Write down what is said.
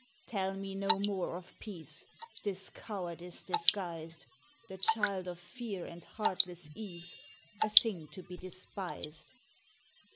"Tell me no more of Peace 'Tis cowardice disguised; The child of Fear and heartless Ease, A thing to be despised.